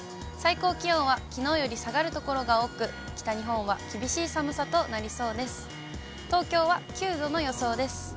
最高気温はきのうより下がる所が多く、北日本は厳しい寒さとなりそうです。